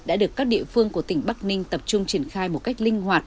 đã được các địa phương của tỉnh bắc ninh tập trung triển khai một cách linh hoạt